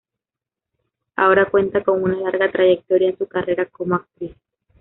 Ahora cuenta con una larga trayectoria en su carrera como actriz.